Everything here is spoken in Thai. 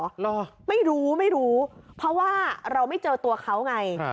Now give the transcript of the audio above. เหรอไม่รู้ไม่รู้เพราะว่าเราไม่เจอตัวเขาไง